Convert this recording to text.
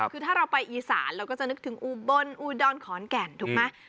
คือถ้าเราไปอีสานเราก็จะนึกถึงอุบลอุดรขอนแก่นถูกไหม